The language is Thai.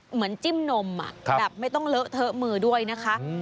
เหมือนจิ้มนมแบบไม่ต้องเลอะเทอะมือด้วยนะคะ